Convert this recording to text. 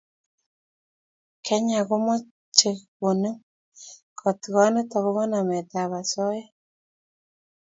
kenya komache konem katigonet akobo namet ab asoya